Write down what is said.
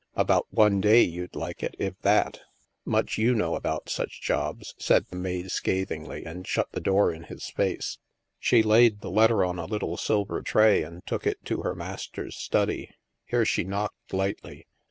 " About one day you'd like it, if that. Much you know about such jobs," said the maid scathingly, and shut the door in his face. 4 THE MASK She laid the letter on a little silver tray, and took it to her master's study. Here she knocked lightly.